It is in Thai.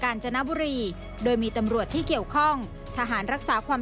การทำสำนวนคดีนี้จากรายงานครับ